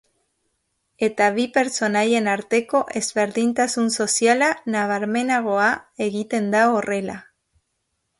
Eta bi pertsonaien arteko ezberdintasun soziala nabarmenagoa egiten da horrela.